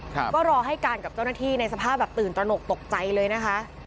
ก็รอให้การกับเจ้าหน้าที่ในสภาพแบบตื่นตระหนกตกใจเลยนะคะ